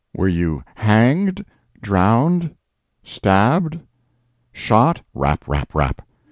"Were you hanged?—drowned?—stabbed?—shot?" "Rap, rap, rap."